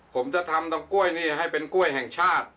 ผมจะทำตำกล้วยนี่ให้เป็นกล้วยแห่งชาติ